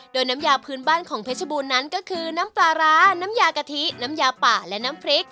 โดยน้ำยาพื้นบ้านของเพชรบูรณนั้นก็คือน้ำปลาร้าน้ำยากะทิน้ำยาป่าและน้ำพริก